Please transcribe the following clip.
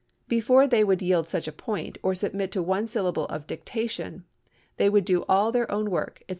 Before they would yield such a point, or submit to one syllable of dictation, they would do all their own work, etc.